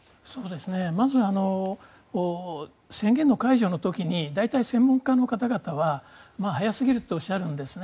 まず、宣言の解除の時に大体、専門家の方々は早すぎるっておっしゃるんですね。